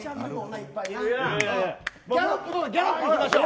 ギャロップいきましょう。